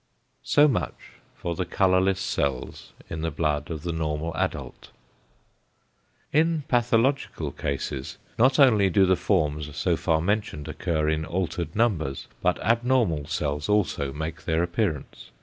So much for the colourless cells in the blood of the normal adult. In pathological cases, not only do the forms so far mentioned occur in altered numbers, but abnormal cells also make their appearance.